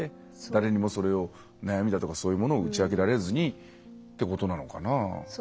誰にも、それを悩みだとかそういうものを打ち明けられずにっていうことなのかな。